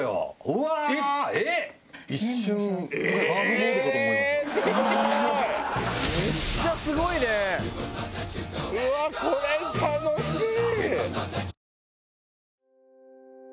「うわっこれ楽しい！」